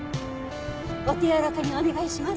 お手やわらかにお願いします。